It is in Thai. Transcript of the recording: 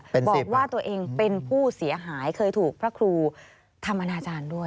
บอกว่าตัวเองเป็นผู้เสียหายเคยถูกพระครูทำอนาจารย์ด้วย